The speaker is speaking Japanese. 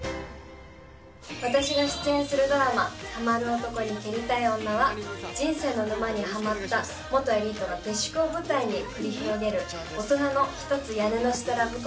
私が出演するドラマ『ハマる男に蹴りたい女』は人生の沼にハマッた元エリートが下宿を舞台に繰り広げるオトナの一つ屋根の下ラブコメディーです。